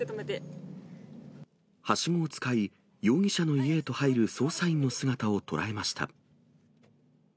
はしごを使い、容疑者の家へと入る捜査員の姿を捉えました。